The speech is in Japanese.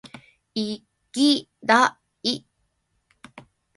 いぎだい！！！！